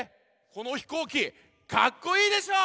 このひこうきかっこいいでしょ？